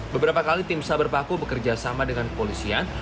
beberapa kali tim saber paku bekerja sama dengan kepolisian